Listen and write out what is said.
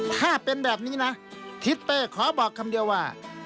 ถ้าเป็นแบบนี้นะทิศเป้ขอบอกคำเดียวว่า